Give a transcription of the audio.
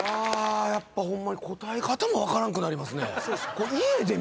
やっぱホンマに答え方も分からんくなりますね。